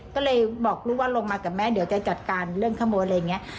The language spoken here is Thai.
ก็เลยบอกลูกว่าลงมากับแม่เดี๋ยวจะจัดการเรื่องขโมยอะไรอย่างนี้